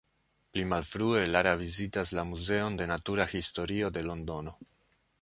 Pli malfrue, Lara vizitas la muzeon de natura historio de Londono.